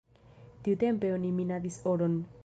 Tiutempe oni minadis oron.